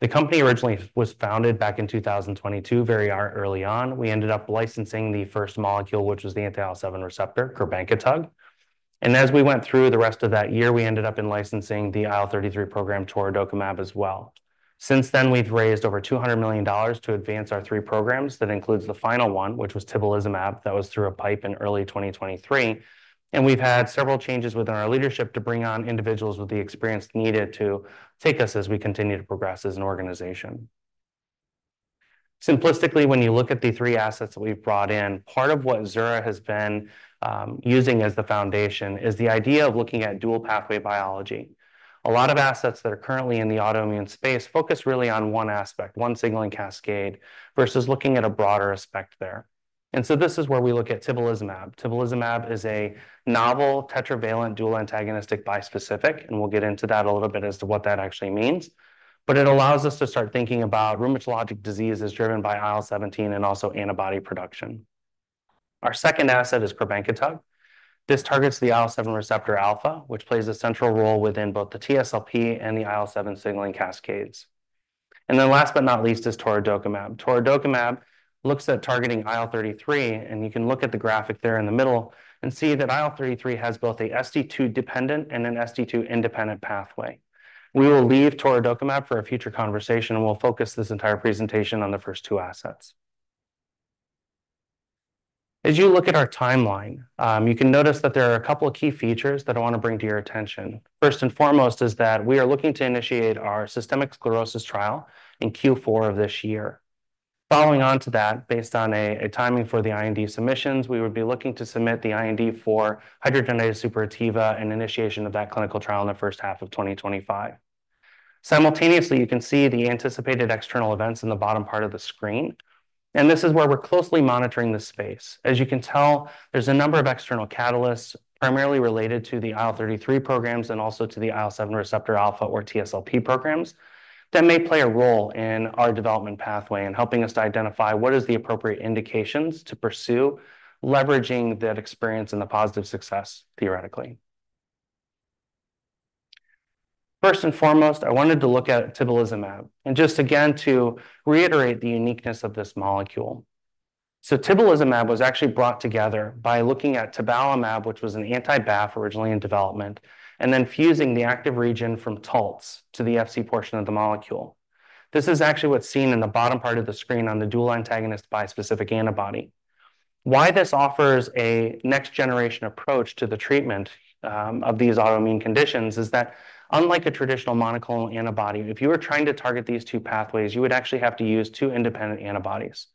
The company originally was founded back in 2022, very early on. We ended up licensing the first molecule, which was the anti-IL-7 receptor, crebankitug. And as we went through the rest of that year, we ended up licensing the IL-33 program, torudokimab, as well. Since then, we've raised over $200 million to advance our three programs. That includes the final one, which was tibulizumab, that was through a PIPE in early 2023, and we've had several changes within our leadership to bring on individuals with the experience needed to take us as we continue to progress as an organization. Simplistically, when you look at the three assets that we've brought in, part of what Zura has been using as the foundation is the idea of looking at dual pathway biology. A lot of assets that are currently in the autoimmune space focus really on one aspect, one signaling cascade, versus looking at a broader aspect there, and so this is where we look at tibolizumab. Tibolizumab is a novel tetravalent dual antagonistic bispecific, and we'll get into that a little bit as to what that actually means, but it allows us to start thinking about rheumatologic disease as driven by IL-17 and also antibody production. Our second asset is crebankitug. This targets the IL-7 receptor alpha, which plays a central role within both the TSLP and the IL-7 signaling cascades, and then last but not least, is torudokimab. Torudokimab looks at targeting IL-33, and you can look at the graphic there in the middle and see that IL-33 has both a ST2 dependent and a ST2 independent pathway. We will leave torudokimab for a future conversation, and we'll focus this entire presentation on the first two assets. As you look at our timeline, you can notice that there are a couple of key features that I want to bring to your attention. First and foremost is that we are looking to initiate our systemic sclerosis trial in Q4 of this year. Following on to that, based on a timing for the IND submissions, we would be looking to submit the IND for hidradenitis suppurativa and initiation of that clinical trial in the first half of twenty twenty-five. Simultaneously, you can see the anticipated external events in the bottom part of the screen, and this is where we're closely monitoring the space. As you can tell, there's a number of external catalysts, primarily related to the IL-33 programs and also to the IL-7 receptor alpha or TSLP programs, that may play a role in our development pathway and helping us to identify what is the appropriate indications to pursue, leveraging that experience and the positive success, theoretically. First and foremost, I wanted to look at tibolizumab, and just again, to reiterate the uniqueness of this molecule. So tibolizumab was actually brought together by looking at tabalumab, which was an anti-BAFF, originally in development, and then fusing the active region from Taltz to the Fc portion of the molecule. This is actually what's seen in the bottom part of the screen on the dual antagonist bispecific antibody. Why this offers a next generation approach to the treatment of these autoimmune conditions is that unlike a traditional monoclonal antibody, if you were trying to target these two pathways, you would actually have to use two independent antibodies.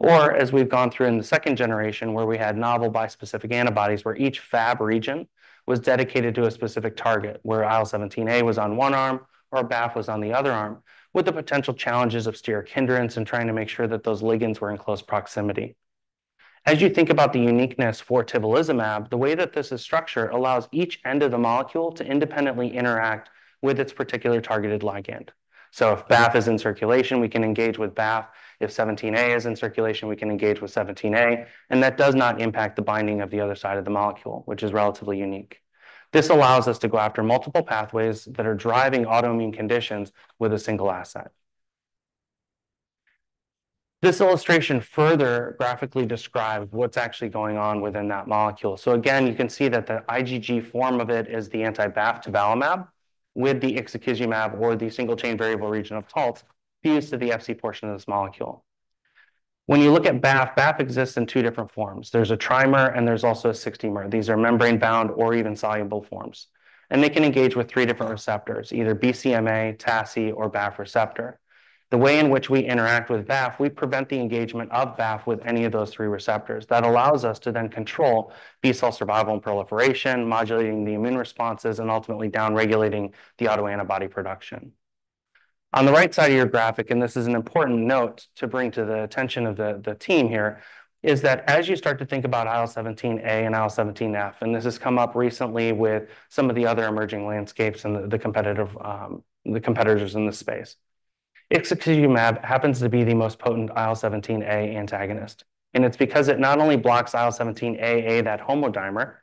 Or, as we've gone through in the second generation, where we had novel bispecific antibodies, where each Fab region was dedicated to a specific target, where IL-17A was on one arm, or BAFF was on the other arm, with the potential challenges of steric hindrance and trying to make sure that those ligands were in close proximity. As you think about the uniqueness for tibolizumab, the way that this is structured allows each end of the molecule to independently interact with its particular targeted ligand. So if BAFF is in circulation, we can engage with BAFF. If 17a is in circulation, we can engage with 17A, and that does not impact the binding of the other side of the molecule, which is relatively unique. This allows us to go after multiple pathways that are driving autoimmune conditions with a single asset. This illustration further graphically describe what's actually going on within that molecule. So again, you can see that the IgG form of it is the anti-BAFF tabalumab, with the ixekizumab or the single chain variable region of Taltz, fused to the Fc portion of this molecule. When you look at BAFF, BAFF exists in two different forms. There's a trimer, and there's also a sextamer. These are membrane-bound or even soluble forms, and they can engage with three different receptors, either BCMA, TACI, or BAFF receptor. The way in which we interact with BAFF, we prevent the engagement of BAFF with any of those three receptors. That allows us to then control B-cell survival and proliferation, modulating the immune responses, and ultimately down-regulating the autoantibody production. On the right side of your graphic, and this is an important note to bring to the attention of the team here, is that as you start to think about IL-17A and IL-17F, and this has come up recently with some of the other emerging landscapes and the competitive competitors in this space. Ixekizumab happens to be the most potent IL-17A antagonist, and it's because it not only blocks IL-17AA, that homodimer,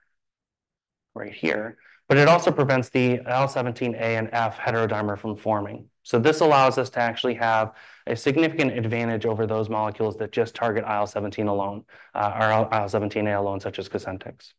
right here, but it also prevents the IL-17A and IL-17F heterodimer from forming. So this allows us to actually have a significant advantage over those molecules that just target IL-17 alone, or IL-17A alone, such as COSENTYX.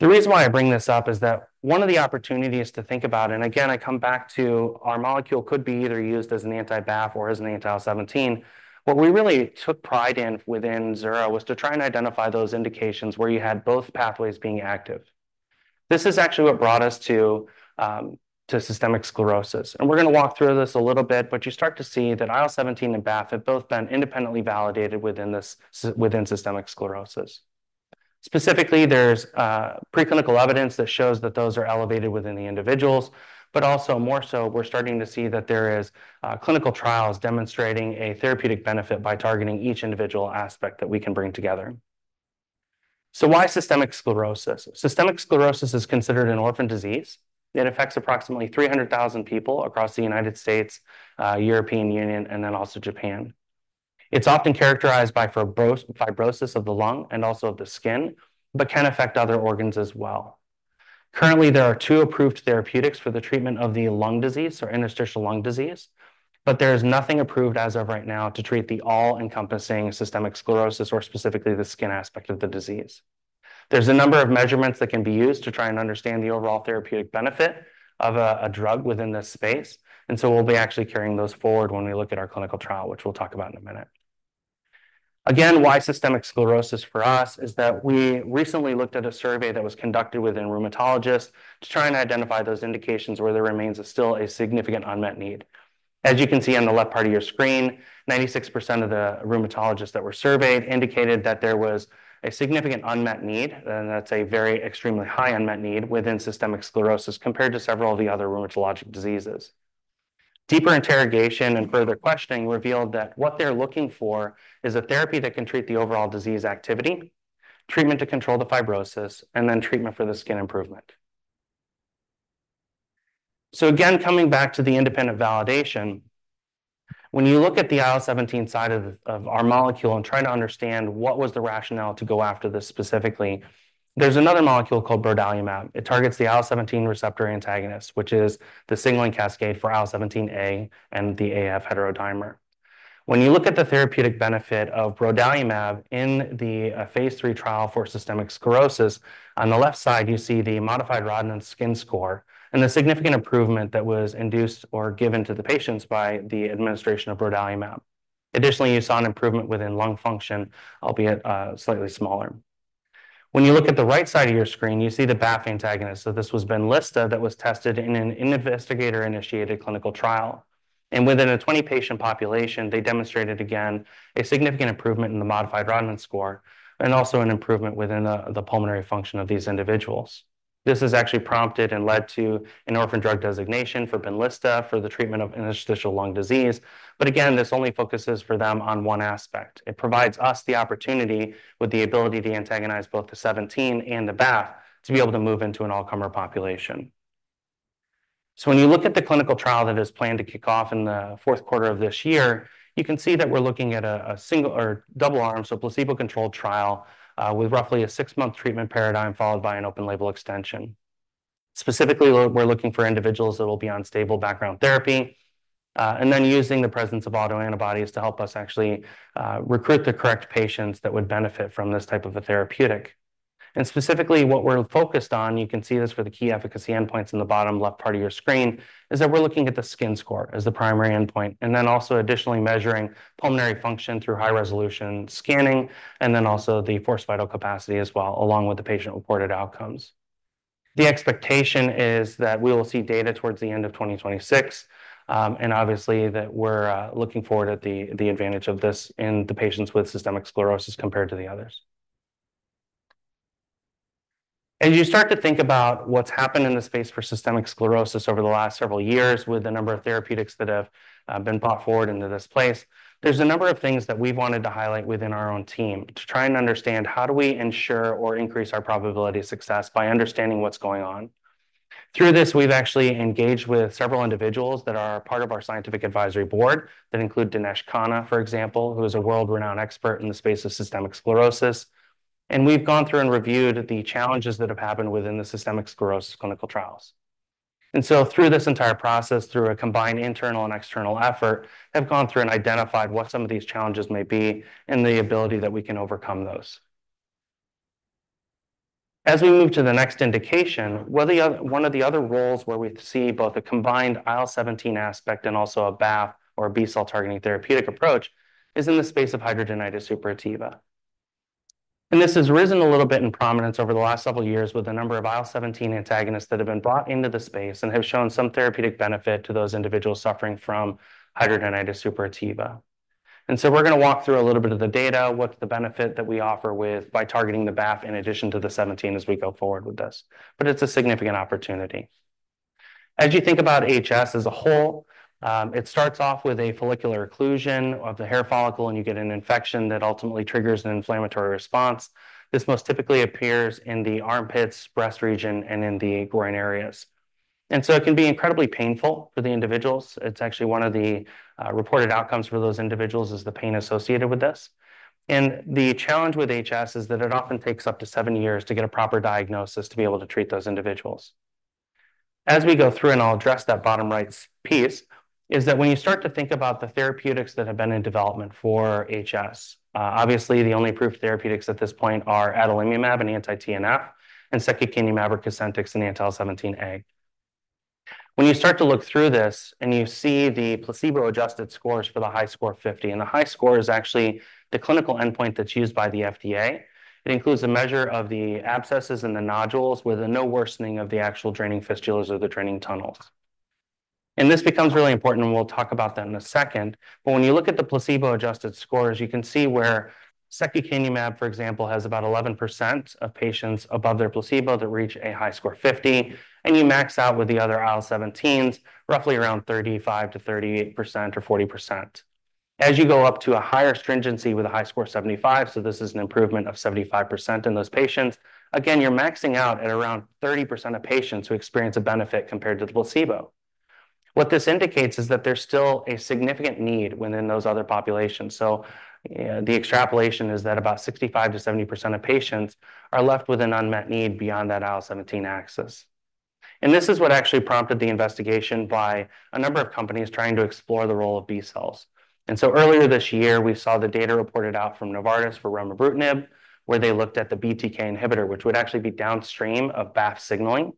The reason why I bring this up is that one of the opportunities to think about, and again, I come back to our molecule could be either used as an anti-BAFF or as an anti-IL-17. What we really took pride in within Zura was to try and identify those indications where you had both pathways being active. This is actually what brought us to systemic sclerosis, and we're going to walk through this a little bit, but you start to see that IL-17 and BAFF have both been independently validated within systemic sclerosis. Specifically, there's preclinical evidence that shows that those are elevated within the individuals, but also more so, we're starting to see that there is clinical trials demonstrating a therapeutic benefit by targeting each individual aspect that we can bring together. So why systemic sclerosis? Systemic sclerosis is considered an orphan disease. It affects approximately 300,000 people across the United States, European Union, and then also Japan. It's often characterized by fibrosis of the lung and also of the skin, but can affect other organs as well. Currently, there are two approved therapeutics for the treatment of the lung disease or interstitial lung disease, but there is nothing approved as of right now to treat the all-encompassing systemic sclerosis or specifically the skin aspect of the disease. There's a number of measurements that can be used to try and understand the overall therapeutic benefit of a drug within this space, and so we'll be actually carrying those forward when we look at our clinical trial, which we'll talk about in a minute. Again, why systemic sclerosis for us is that we recently looked at a survey that was conducted within rheumatologists to try and identify those indications where there remains is still a significant unmet need. As you can see on the left part of your screen, 96% of the rheumatologists that were surveyed indicated that there was a significant unmet need, and that's a very extremely high unmet need, within systemic sclerosis, compared to several of the other rheumatologic diseases. Deeper interrogation and further questioning revealed that what they're looking for is a therapy that can treat the overall disease activity, treatment to control the fibrosis, and then treatment for the skin improvement. So again, coming back to the independent validation, when you look at the IL-17 side of our molecule and try to understand what was the rationale to go after this specifically, there's another molecule called brodalumab. It targets the IL-17 receptor antagonist, which is the signaling cascade for IL-17A and the F heterodimer. When you look at the therapeutic benefit of brodalumab in the phase III trial for systemic sclerosis, on the left side, you see the modified Rodnan skin score and the significant improvement that was induced or given to the patients by the administration of brodalumab. Additionally, you saw an improvement within lung function, albeit slightly smaller. When you look at the right side of your screen, you see the BAFF antagonist. So this was Benlysta that was tested in an investigator-initiated clinical trial, and within a twenty-patient population, they demonstrated, again, a significant improvement in the modified Rodnan score and also an improvement within the pulmonary function of these individuals. This has actually prompted and led to an orphan drug designation for Benlysta for the treatment of interstitial lung disease. But again, this only focuses for them on one aspect. It provides us the opportunity with the ability to antagonize both the seventeen and the BAFF to be able to move into an all-comer population. So when you look at the clinical trial that is planned to kick off in the fourth quarter of this year, you can see that we're looking at a single or double arm, so a placebo-controlled trial, with roughly a six-month treatment paradigm, followed by an open label extension. Specifically, we're looking for individuals that will be on stable background therapy, and then using the presence of autoantibodies to help us actually recruit the correct patients that would benefit from this type of a therapeutic. And specifically, what we're focused on, you can see this for the key efficacy endpoints in the bottom left part of your screen, is that we're looking at the skin score as the primary endpoint, and then also additionally measuring pulmonary function through high-resolution scanning, and then also the forced vital capacity as well, along with the patient-reported outcomes. The expectation is that we will see data towards the end of 2026, and obviously, that we're looking forward at the, the advantage of this in the patients with systemic sclerosis compared to the others. As you start to think about what's happened in the space for systemic sclerosis over the last several years, with the number of therapeutics that have been brought forward into this place, there's a number of things that we've wanted to highlight within our own team to try and understand how do we ensure or increase our probability of success by understanding what's going on. Through this, we've actually engaged with several individuals that are a part of our scientific advisory board, that include Dinesh Khanna, for example, who is a world-renowned expert in the space of systemic sclerosis. We've gone through and reviewed the challenges that have happened within the systemic sclerosis clinical trials. Through this entire process, through a combined internal and external effort, have gone through and identified what some of these challenges may be and the ability that we can overcome those. As we move to the next indication, one of the other roles where we see both a combined IL-17 aspect and also a BAFF or a B-cell targeting therapeutic approach, is in the space of hidradenitis suppurativa. This has risen a little bit in prominence over the last several years, with a number of IL-17 antagonists that have been brought into the space and have shown some therapeutic benefit to those individuals suffering from hidradenitis suppurativa. And so we're gonna walk through a little bit of the data, what's the benefit that we offer with by targeting the BAFF in addition to the IL-17 as we go forward with this. But it's a significant opportunity. As you think about HS as a whole, it starts off with a follicular occlusion of the hair follicle, and you get an infection that ultimately triggers an inflammatory response. This most typically appears in the armpits, breast region, and in the groin areas. And so it can be incredibly painful for the individuals. It's actually one of the reported outcomes for those individuals, is the pain associated with this. And the challenge with HS is that it often takes up to seven years to get a proper diagnosis to be able to treat those individuals. As we go through, and I'll address that bottom right piece, is that when you start to think about the therapeutics that have been in development for HS, obviously, the only approved therapeutics at this point are adalimumab, an anti-TNF, and secukinumab or COSENTYX, an anti-IL-17A. When you start to look through this, and you see the placebo-adjusted scores for the HiSCR50, and the HiSCR is actually the clinical endpoint that's used by the FDA. It includes a measure of the abscesses and the nodules, with no worsening of the actual draining fistulas or the draining tunnels. And this becomes really important, and we'll talk about that in a second. But when you look at the placebo-adjusted scores, you can see where secukinumab, for example, has about 11% of patients above their placebo that reach a HiSCR50, and you max out with the other IL-17s, roughly around 35%-38% or 40%. As you go up to a higher stringency with a HiSCR75, so this is an improvement of 75% in those patients, again, you're maxing out at around 30% of patients who experience a benefit compared to the placebo. What this indicates is that there's still a significant need within those other populations. So, the extrapolation is that about 65%-70% of patients are left with an unmet need beyond that IL-17 axis. And this is what actually prompted the investigation by a number of companies trying to explore the role of B cells. And so earlier this year, we saw the data reported out from Novartis for remibrutinib, where they looked at the BTK inhibitor, which would actually be downstream of BAFF signaling,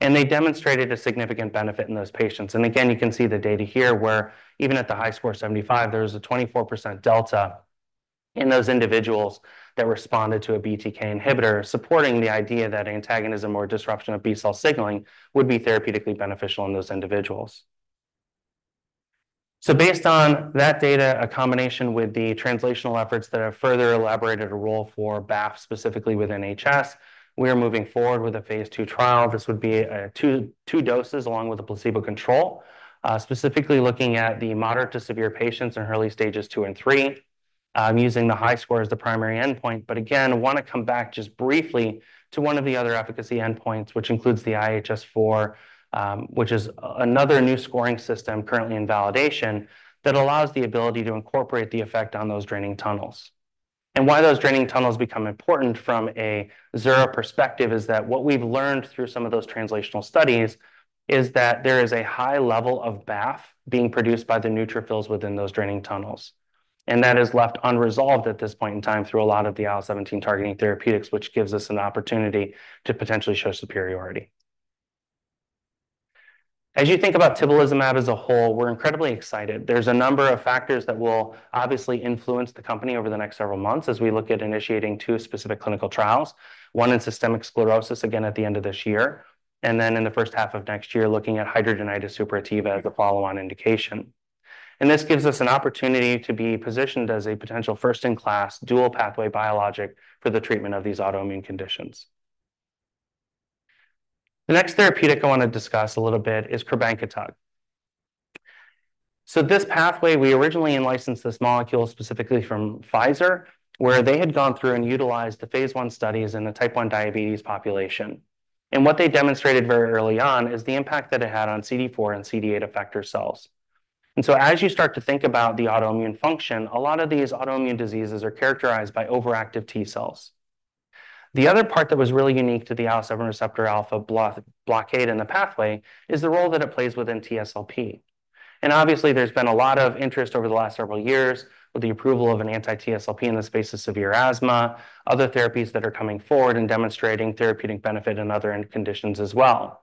and they demonstrated a significant benefit in those patients. And again, you can see the data here, where even at the HiSCR of 75, there was a 24% delta in those individuals that responded to a BTK inhibitor, supporting the idea that antagonism or disruption of B-cell signaling would be therapeutically beneficial in those individuals. So based on that data, a combination with the translational efforts that have further elaborated a role for BAFF, specifically within HS, we are moving forward with a phase II trial. This would be two doses along with a placebo control, specifically looking at the moderate to severe patients in early stages 2 and 3, using the HiSCR as the primary endpoint. But again, I want to come back just briefly to one of the other efficacy endpoints, which includes the IHS4, which is another new scoring system currently in validation, that allows the ability to incorporate the effect on those draining tunnels. And why those draining tunnels become important from a Zura perspective is that what we've learned through some of those translational studies is that there is a high level of BAFF being produced by the neutrophils within those draining tunnels. And that is left unresolved at this point in time through a lot of the IL-17 targeting therapeutics, which gives us an opportunity to potentially show superiority. As you think about tibulizumab as a whole, we're incredibly excited. There's a number of factors that will obviously influence the company over the next several months as we look at initiating two specific clinical trials, one in systemic sclerosis, again, at the end of this year, and then in the first half of next year, looking at hidradenitis suppurativa as a follow-on indication. And this gives us an opportunity to be positioned as a potential first-in-class dual pathway biologic for the treatment of these autoimmune conditions. The next therapeutic I want to discuss a little bit is crebankitug. So this pathway, we originally in-licensed this molecule specifically from Pfizer, where they had gone through and utilized the phase I studies in the type 1 diabetes population. And what they demonstrated very early on is the impact that it had on CD4 and CD8 effector cells. So as you start to think about the autoimmune function, a lot of these autoimmune diseases are characterized by overactive T cells. The other part that was really unique to the IL-7 receptor alpha blockade in the pathway is the role that it plays within TSLP. Obviously, there's been a lot of interest over the last several years with the approval of an anti-TSLP in the space of severe asthma, other therapies that are coming forward and demonstrating therapeutic benefit in other conditions as well.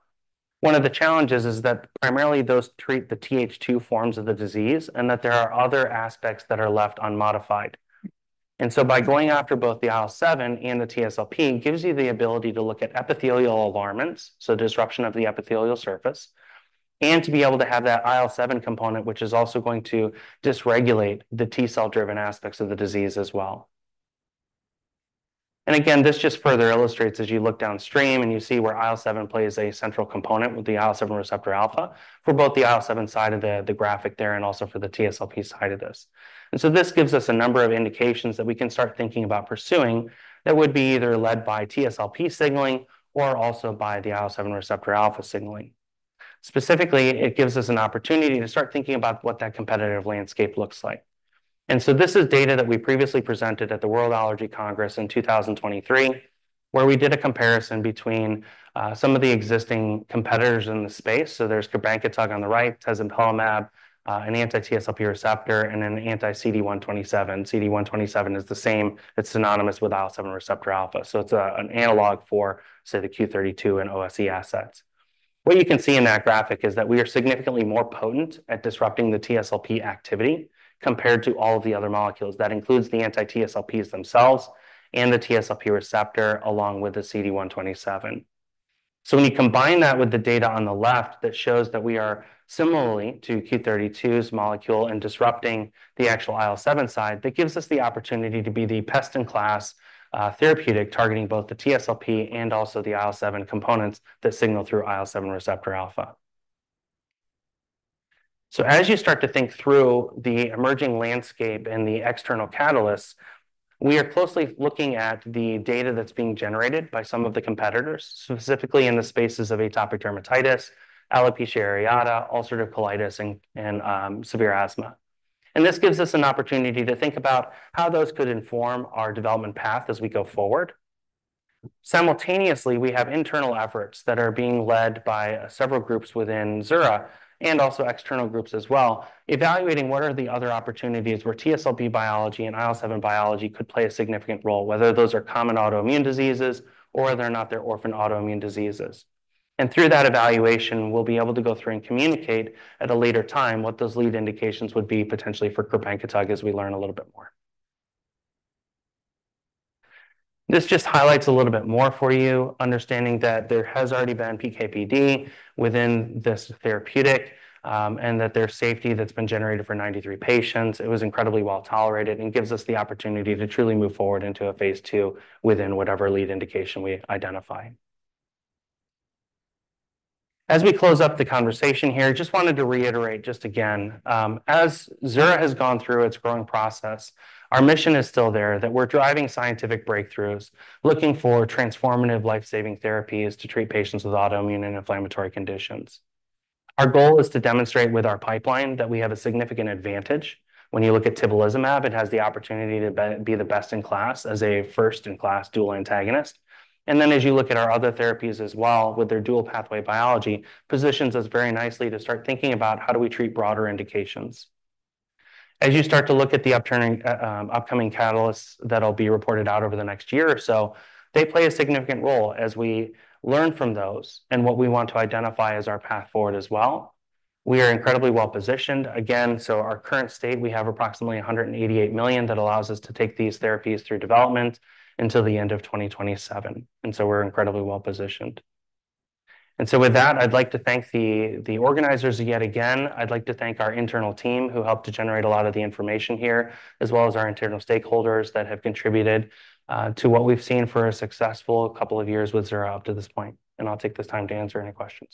One of the challenges is that primarily, those treat the TH2 forms of the disease, and that there are other aspects that are left unmodified. And so by going after both the IL-7 and the TSLP, it gives you the ability to look at epithelial alarmins, so disruption of the epithelial surface, and to be able to have that IL-7 component, which is also going to dysregulate the T cell-driven aspects of the disease as well. And again, this just further illustrates, as you look downstream, and you see where IL-7 plays a central component with the IL-7 receptor alpha for both the IL-7 side of the graphic there and also for the TSLP side of this. And so this gives us a number of indications that we can start thinking about pursuing, that would be either led by TSLP signaling or also by the IL-7 receptor alpha signaling. Specifically, it gives us an opportunity to start thinking about what that competitive landscape looks like. And so this is data that we previously presented at the World Allergy Congress in 2023, where we did a comparison between some of the existing competitors in the space. So there's crebankitug on the right, tezepelumab, an anti-TSLP receptor, and an anti-CD127. CD127 is the same, it's synonymous with IL-7 receptor alpha, so it's an analog for, say, the Q32 and OSE assets. What you can see in that graphic is that we are significantly more potent at disrupting the TSLP activity compared to all of the other molecules. That includes the anti-TSLPs themselves and the TSLP receptor, along with the CD127. So when you combine that with the data on the left, that shows that we are similarly to Q32's molecule in disrupting the actual IL-7 side, that gives us the opportunity to be the best-in-class therapeutic, targeting both the TSLP and also the IL-7 components that signal through IL-7 receptor alpha. So as you start to think through the emerging landscape and the external catalysts, we are closely looking at the data that's being generated by some of the competitors, specifically in the spaces of atopic dermatitis, alopecia areata, ulcerative colitis, and severe asthma. And this gives us an opportunity to think about how those could inform our development path as we go forward. Simultaneously, we have internal efforts that are being led by several groups within Zura, and also external groups as well, evaluating what are the other opportunities where TSLP biology and IL-7 biology could play a significant role, whether those are common autoimmune diseases or they're not, they're orphan autoimmune diseases. And through that evaluation, we'll be able to go through and communicate at a later time what those lead indications would be potentially for crebankitug as we learn a little bit more. This just highlights a little bit more for you, understanding that there has already been PK/PD within this therapeutic, and that there's safety that's been generated for 93 patients. It was incredibly well tolerated and gives us the opportunity to truly move forward into a phase II within whatever lead indication we identify. As we close up the conversation here, just wanted to reiterate just again, as Zura has gone through its growing process, our mission is still there, that we're driving scientific breakthroughs, looking for transformative life-saving therapies to treat patients with autoimmune and inflammatory conditions. Our goal is to demonstrate with our pipeline that we have a significant advantage. When you look at tibulizumab, it has the opportunity to be the best in class as a first-in-class dual antagonist. And then as you look at our other therapies as well, with their dual pathway biology, positions us very nicely to start thinking about how do we treat broader indications. As you start to look at the upcoming catalysts that'll be reported out over the next year or so, they play a significant role as we learn from those and what we want to identify as our path forward as well. We are incredibly well-positioned. Again, so our current state, we have approximately $188 million that allows us to take these therapies through development until the end of 2027, and so we're incredibly well positioned. With that, I'd like to thank the organizers yet again. I'd like to thank our internal team, who helped to generate a lot of the information here, as well as our internal stakeholders that have contributed to what we've seen for a successful couple of years with Zura up to this point. I'll take this time to answer any questions.